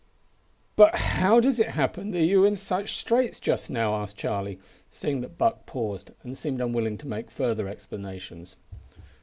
"But how does it happen that you are in such straits just now?" asked Charlie, seeing that Buck paused, and seemed unwilling to make further explanations.